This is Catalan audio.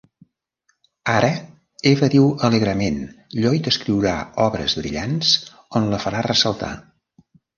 Ara, Eve diu alegrement Lloyd escriurà obres brillants on la farà ressaltar.